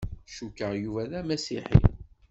Cukkeɣ Yuba d Amasiḥi.